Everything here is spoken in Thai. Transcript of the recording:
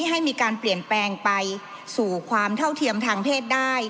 ให้มีการเปลี่ยนแปลงไปสู่ความเท่าเทียมทางเพศได้